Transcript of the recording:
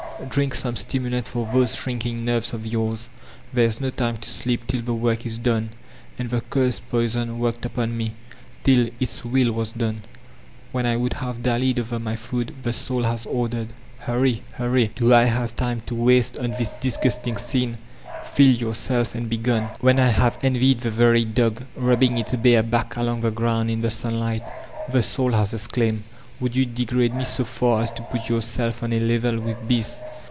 Drink some stimulant for those shrinking nerves of yours ! There is no time to sleep till the work is done." And the cursed poison worked upon me, till Its will was done. When I would have dallied over my food, the Soul has ordered, "Hurry, hurry ! Do I have time to waste on this disgusting scene? Fill yourself and be gone!" When I have envied the very dog, rubbing its bare back along the ground in the sunlight, the Soul has ex claimed, "Would you degrade me so far as to put your self on a level with beasts